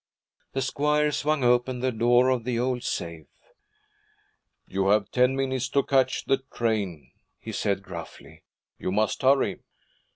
The squire swung open the door of the old safe. 'You have ten minutes to catch the train,' he said gruffly. 'You must hurry.'